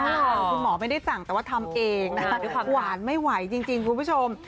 คุณหมอไม่ได้สั่งแต่ว่าทำเองนะคะหวานไม่ไหวจริงคุณผู้ชม